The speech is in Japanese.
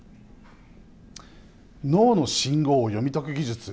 脳の信号を読み解く技術。